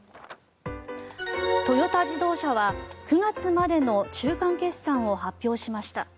トヨタ自動車は９月までの中間決算を発表しました。